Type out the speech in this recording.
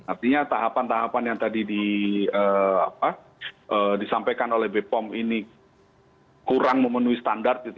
artinya tahapan tahapan yang tadi disampaikan oleh bepom ini kurang memenuhi standar